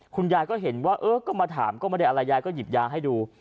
คุณยายก็เห็นว่าเออก็มาถามก็ไม่ได้อะไรยายก็หยิบยาให้ดู